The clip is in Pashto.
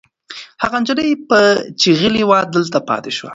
هغه نجلۍ چې غلې وه دلته پاتې شوه.